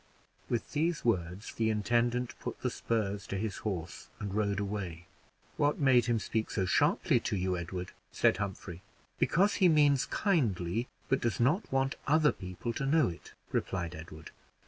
With these words the intendant put the spurs to his horse, and rode away. "What made him speak so sharply to you, Edward?" said Humphrey. "Because he means kindly, but does not want other people to know it," replied Edward.